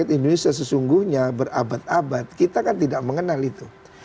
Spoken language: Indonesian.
rakyat indonesia sesungguhnya berabad abad kita kan tidak mengenal itu